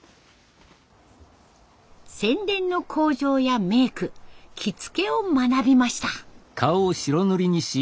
宣伝の口上やメイク着付けを学びました。